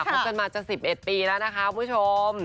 เข้าจากมาจาก๑๑ปีแล้วนะคะคุณผู้ชม